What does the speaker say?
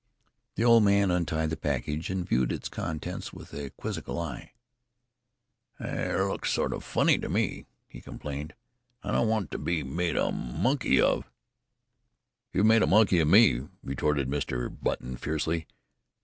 The old man untied the package and viewed the contents with a quizzical eye. "They look sort of funny to me," he complained, "I don't want to be made a monkey of " "You've made a monkey of me!" retorted Mr. Button fiercely.